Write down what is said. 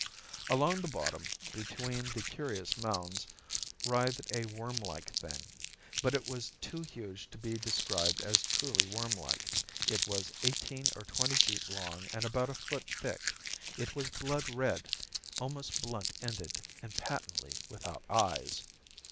Along the bottom, between the curious mounds, writhed a wormlike thing. But it was too huge to be described as truly wormlike it was eighteen or twenty feet long and a foot thick. It was blood red, almost blunt ended and patently without eyes.